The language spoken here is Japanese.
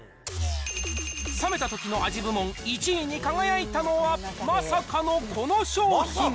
冷めたときの味部門１位に輝いたのは、まさかのこの商品。